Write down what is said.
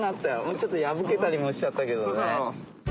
ちょっと破けたりもしちゃったけどね。